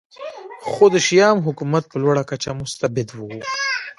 خو د شیام حکومت په لوړه کچه مستبد و